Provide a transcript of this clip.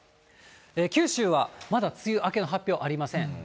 九州はまだ梅雨明けの発表ありません。